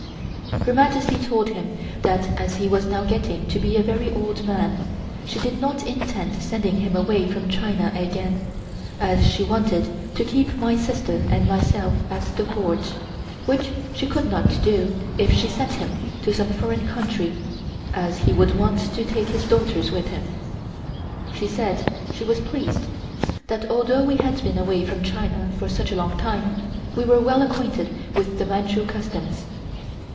Her Majesty told him that as he was now getting to be a very old man, she did not intend sending him away from China again, as she wanted to keep my sister and myself at the Court, which she could not do if she sent him to some foreign country, as he would want to take his daughters with him. She said she was pleased, that although we had been away from China for such a long time, we were well acquainted with the Manchu customs.